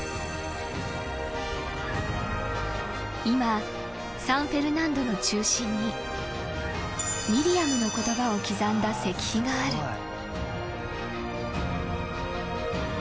［今サンフェルナンドの中心にミリアムの言葉を刻んだ石碑がある］